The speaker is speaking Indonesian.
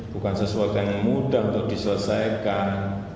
bukan sesuatu yang mudah untuk diselesaikan